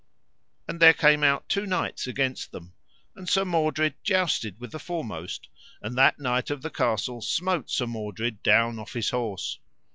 And there came out two knights against them, and Sir Mordred jousted with the foremost, and that knight of the castle smote Sir Mordred down off his horse.